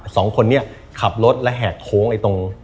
สองคนนี้ขับรถและแหกโค้งไอ้ตรง